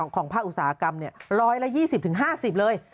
ของภาคอุตสาหกรรมร้อยละ๒๐๕๐เลย